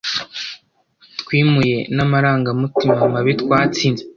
twimuye n’amarangamutima mabi twatsinze